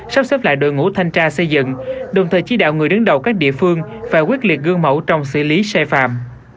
sắp xếp lại đội ngũ thanh tra xây dựng đồng thời chỉ đạo người đứng đầu các địa phương phải quyết liệt gương mẫu trong xử lý sai phạm